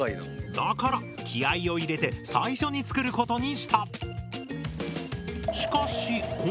だから気合いを入れて最初に作ることにした。